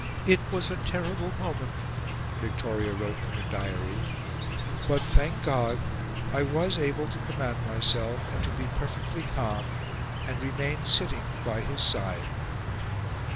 "It was a terrible moment," Victoria wrote in her diary, "but, thank God! I was able to command myself, and to be perfectly calm, and remained sitting by his side."